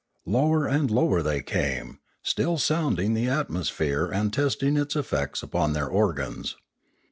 Lower and lower they came, still sounding the atmo sphere and testing its effects upon their organs.